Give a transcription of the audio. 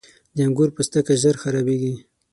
• د انګور پوستکی ژر خرابېږي.